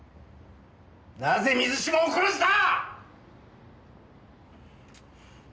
なぜ水嶋を殺した！？